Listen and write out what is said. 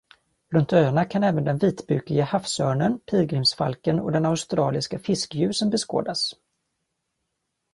Runt öarna kan även den vitbukiga havsörnen, pilgrimsfalken och den australiska fiskgjusen beskådas.